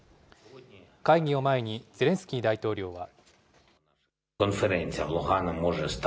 会議を前にゼレンスキー大統領は。